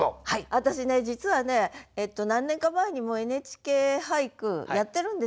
私ね実はね何年か前にも「ＮＨＫ俳句」やってるんですよ。